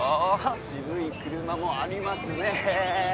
渋い車もありますね。